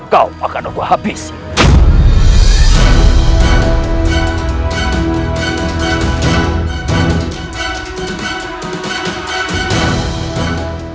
kau akan aku habisi